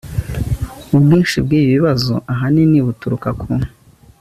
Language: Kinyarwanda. ubwinshi bw ibi bibazo ahanini buturuka ku